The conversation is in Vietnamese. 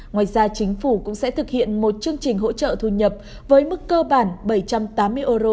ngoài ra chính phủ cũng sẽ thực hiện một chương trình hỗ trợ thu nhập với mức cơ bản bảy trăm tám mươi euro